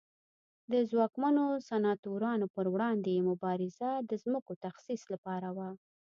د ځواکمنو سناتورانو پر وړاندې یې مبارزه د ځمکو تخصیص لپاره وه